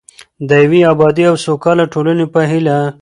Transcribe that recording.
د یوې ابادې او سوکاله ټولنې په هیله.